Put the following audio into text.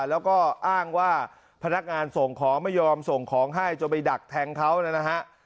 แล้วก็อ้างว่าพนักงานส่งของไม่ยอมส่งของให้จนไปดักแทงเขานะฮะ